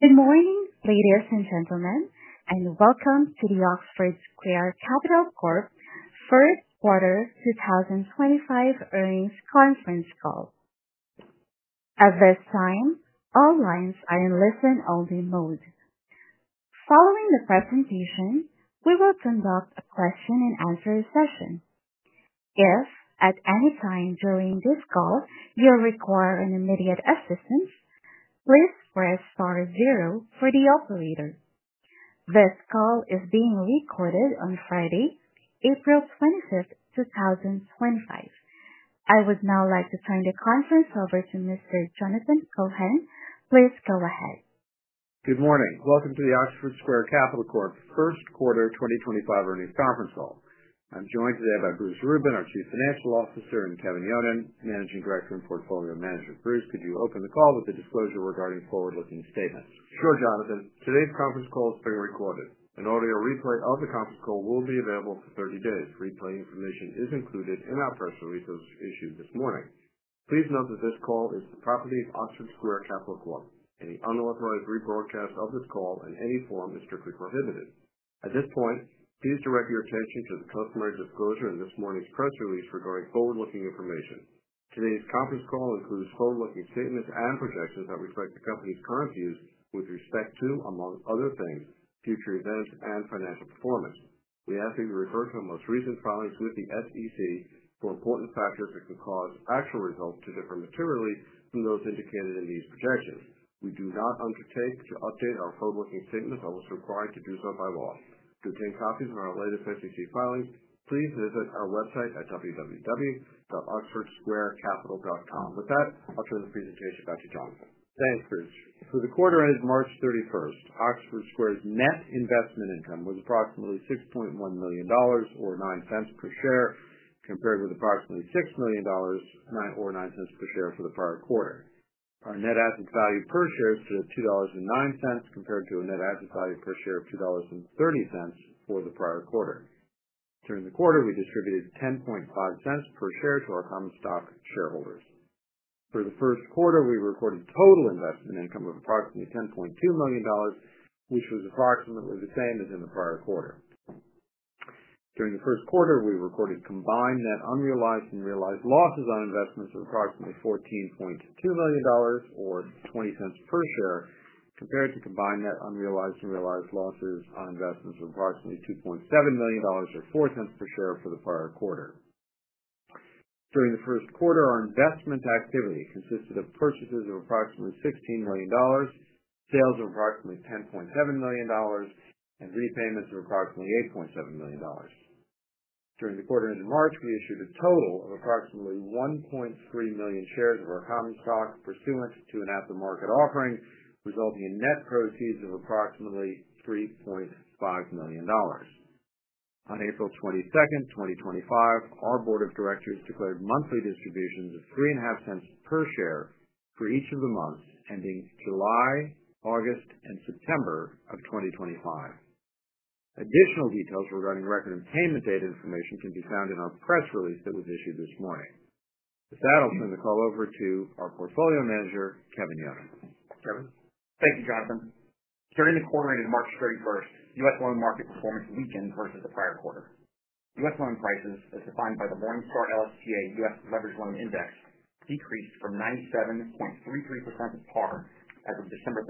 Good morning, ladies and gentlemen, and welcome to the Oxford Square Capital Corp First Quarter 2025 earnings conference call. At this time, all lines are in listen-only mode. Following the presentation, we will conduct a question-and-answer session. If at any time during this call you require immediate assistance, please press star zero for the operator. This call is being recorded on Friday, April 25, 2025. I would now like to turn the conference over to Mr. Jonathan Cohen. Please go ahead. Good morning. Welcome to the Oxford Square Capital Corp First Quarter 2025 earnings conference call. I'm joined today by Bruce Rubin, our Chief Financial Officer, and Kevin Yonon, Managing Director and Portfolio Manager. Bruce, could you open the call with a disclosure regarding forward-looking statements? Sure, Jonathan. Today's conference call is being recorded. An audio replay of the conference call will be available for 30 days. Replay information is included in our press release that was issued this morning. Please note that this call is the property of Oxford Square Capital Corp., and the unauthorized rebroadcast of this call in any form is strictly prohibited. At this point, please direct your attention to the customer disclosure in this morning's press release regarding forward-looking information. Today's conference call includes forward-looking statements and projections that reflect the company's current views with respect to, among other things, future events and financial performance. We ask that you refer to the most recent filings with the SEC for important factors that can cause actual results to differ materially from those indicated in these projections. We do not undertake to update our forward-looking statements unless required to do so by law. To obtain copies of our latest SEC filings, please visit our website at www.oxfordsquarecapital.com. With that, I'll turn the presentation back to Jonathan. Thanks, Bruce. For the quarter-end of March 31, Oxford Square's net investment income was approximately $6.1 million or $0.09 per share, compared with approximately $6 million or $0.09 per share for the prior quarter. Our net asset value per share stood at $2.09, compared to a net asset value per share of $2.30 for the prior quarter. During the quarter, we distributed $0.105 per share to our common stock shareholders. For the first quarter, we recorded total investment income of approximately $10.2 million, which was approximately the same as in the prior quarter. During the first quarter, we recorded combined net unrealized and realized losses on investments of approximately $14.2 million or $0.20 per share, compared to combined net unrealized and realized losses on investments of approximately $2.7 million or $0.04 per share for the prior quarter. During the first quarter, our investment activity consisted of purchases of approximately $16 million, sales of approximately $10.7 million, and repayments of approximately $8.7 million. During the quarter-end of March, we issued a total of approximately 1.3 million shares of our common stock pursuant to an after-market offering, resulting in net proceeds of approximately $3.5 million. On April 22, 2025, our Board of Directors declared monthly distributions of $0.035 per share for each of the months ending July, August, and September of 2025. Additional details regarding record and payment date information can be found in our press release that was issued this morning. With that, I'll turn the call over to our portfolio manager, Kevin Yonon. Kevin? Thank you, Jonathan. During the quarter-end of March 31, U.S. loan market performance weakened versus the prior quarter. U.S. loan prices, as defined by the Morningstar LSTA U.S. Leveraged Loan Index, decreased from 97.33% par as of December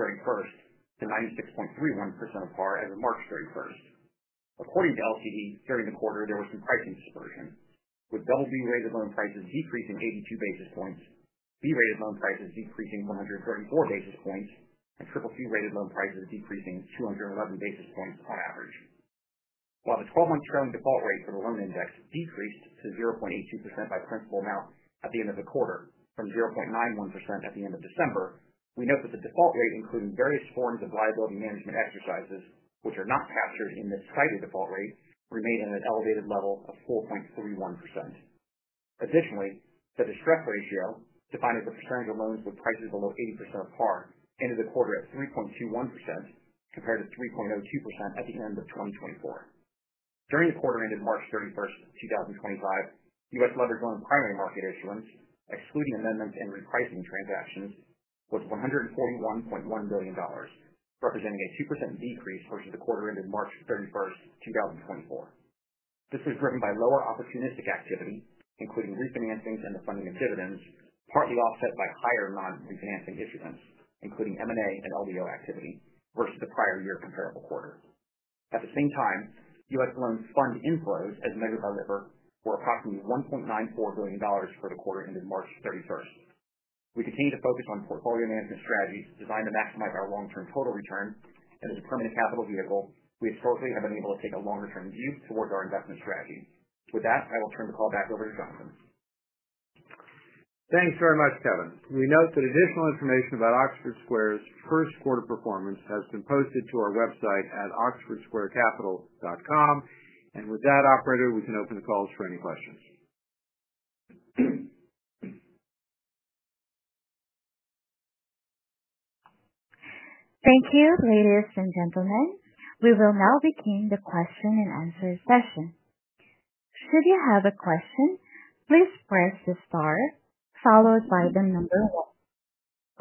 31 to 96.31% par as of March 31. According to LCD, during the quarter, there was some pricing dispersion, with BB-rated loan prices decreasing 82 basis points, B-rated loan prices decreasing 134 basis points, and CCC-rated loan prices decreasing 211 basis points on average. While the 12-month trailing default rate for the loan index decreased to 0.82% by principal amount at the end of the quarter from 0.91% at the end of December, we note that the default rate, including various forms of liability management exercises, which are not captured in this cited default rate, remained at an elevated level of 4.31%. Additionally, the distress ratio, defined as the percentage of loans with prices below 80% par, ended the quarter at 3.21% compared to 3.02% at the end of 2024. During the quarter-end of March 31, 2025, U.S. leveraged loan primary market issuance, excluding amendments and repricing transactions, was $141.1 billion, representing a 2% decrease versus the quarter-end of March 31, 2024. This was driven by lower opportunistic activity, including refinancings and the funding of dividends, partly offset by higher non-refinancing issuance, including M&A and LBO activity, versus the prior year comparable quarter. At the same time, U.S. loans fund inflows, as measured by Lipper, were approximately $1.94 billion for the quarter-end of March 31st. We continue to focus on portfolio management strategies designed to maximize our long-term total return, and as a permanent capital vehicle, we historically have been able to take a longer-term view towards our investment strategy. With that, I will turn the call back over to Jonathan. Thanks very much, Kevin. We note that additional information about Oxford Square's first quarter performance has been posted to our website at oxfordsquarecapital.com, and with that, Operator, we can open the calls for any questions. Thank you, ladies and gentlemen. We will now begin the question-and-answer session. Should you have a question, please press the star followed by the number one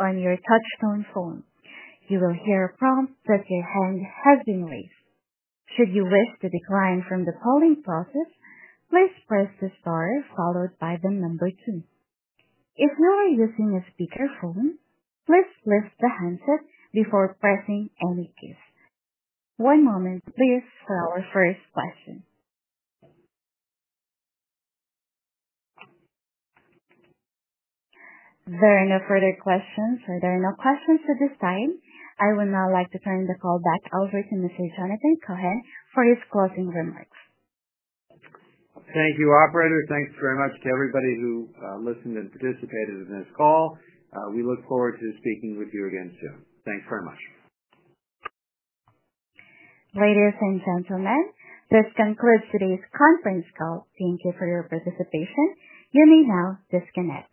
on your touch-tone phone. You will hear a prompt that your hand has been raised. Should you wish to decline from the polling process, please press the star followed by the number two. If you are using a speakerphone, please lift the handset before pressing any keys. One moment, please, for our first question. There are no further questions, or there are no questions at this time. I would now like to turn the call back over to Mr. Jonathan Cohen for his closing remarks. Thank you, Operator. Thanks very much to everybody who listened and participated in this call. We look forward to speaking with you again soon. Thanks very much. Ladies and gentlemen, this concludes today's conference call. Thank you for your participation. You may now disconnect.